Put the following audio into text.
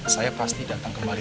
saya pasti datang kembali